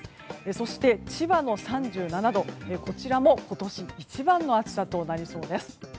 そして、千葉の３７度も今年一番の暑さとなりそうです。